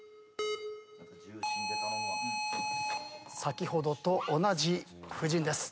先ほどと同じ布陣です。